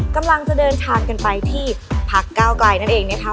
กำลังจะเดินทางกันไปที่พักเก้าไกลนั่นเองนะคะ